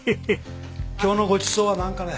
今日のごちそうはなんかね？